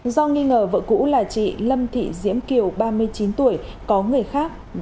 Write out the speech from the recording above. do nghi ngờ vợ cũ là chị lâm thị diễm kiều ba mươi chín tuổi có người khác